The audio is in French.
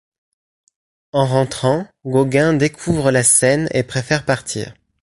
En rentrant, Gauguin découvre la scène et préfère partir.